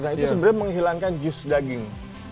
nah itu sebenarnya menghilangkan jus daging